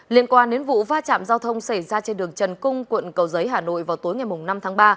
liên quan đến vụ va chạm giao thông xảy ra trên đường trần cung quận cầu giấy hà nội vào tối ngày năm tháng ba